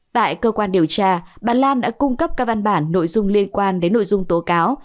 tại cơ quan điều tra bà lan đã cung cấp các văn bản nội dung liên quan đến nội dung tố cáo